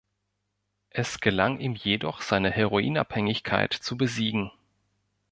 Es gelang ihm jedoch seine Heroinabhängigkeit zu besiegen.